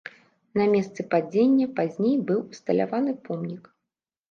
На месцы падзення пазней быў усталяваны помнік.